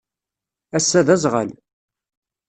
Assa d azɣal